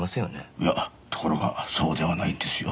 いやところがそうではないんですよ。